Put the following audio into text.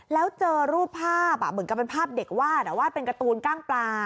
แล้วเจอรูปภาพเหมือนกับเป็นภาพเด็กวาดวาดเป็นการ์ตูนกล้างปลา